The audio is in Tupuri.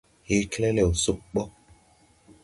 Hee kelɛlɛw sug ɓɔ.